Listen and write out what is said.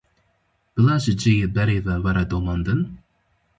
Bila ji ciyê berê ve were domandin?